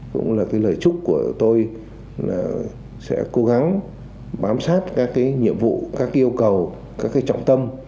cũng là lời chúc của tôi là sẽ cố gắng bám sát các nhiệm vụ các yêu cầu các trọng tâm